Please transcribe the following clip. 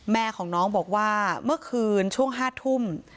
แม่ของน้องบอกว่าเมื่อคืนช่วง๕ทุ่ม